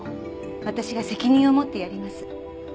私が責任を持ってやります。